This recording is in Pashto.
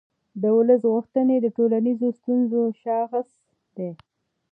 د ولس غوښتنې د ټولنیزو ستونزو شاخص دی